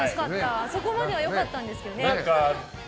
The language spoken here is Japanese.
そこまではよかったんですけどね。